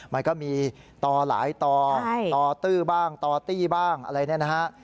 มันก็มีต่อหลายต่อตื้อบ้างตอตี้บ้างอะไรเนี่ยนะฮะ